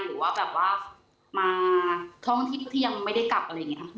หรือว่าแบบว่ามาท่องที่ยังไม่ได้กลับอะไรอย่างนี้